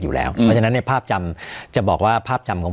อยู่แล้วเพราะฉะนั้นเนี่ยภาพจำจะบอกว่าภาพจำของ